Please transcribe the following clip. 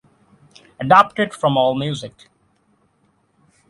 Adapted from Allmusic.